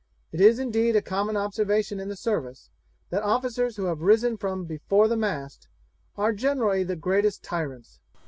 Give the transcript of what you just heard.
It is indeed a common observation in the service, that officers who have risen from before the mast are generally the greatest tyrants.